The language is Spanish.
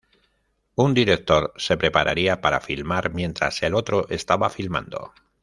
Un director se prepararía para filmar mientras el otro estaba filmando.